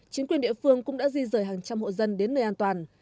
chính quyền địa phương cũng đã di rời hàng trăm hộ dân đến nơi an toàn